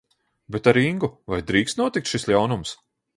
Bet ar Ingu, vai drīkst notikt šis ļaunums?